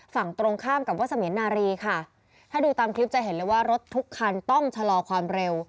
ฝั่งตรงข้ามกับวัสมียนนารีค่ะถ้าดูตามคลิปจะเห็นเลยว่ารถทุกคันต้องชะลอความเร็ว